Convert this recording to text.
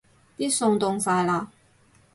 啲餸凍晒喇